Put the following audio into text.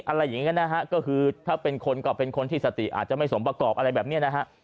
อะไรอย่างนี้นะฮะก็คือถ้าเป็นคนก็เป็นคนที่สติอาจจะไม่สมประกอบอะไรแบบนี้นะฮะ